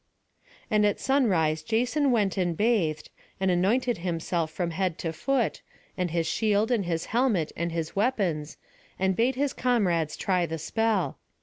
And at sunrise Jason went and bathed, and anointed himself from head to foot, and his shield, and his helmet, and his weapons, and bade his comrades try the spell.